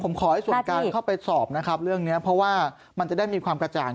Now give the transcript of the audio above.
ผมขอให้ส่วนการเข้าไปสอบนะครับเรื่องนี้เพราะว่ามันจะได้มีความกระจ่าง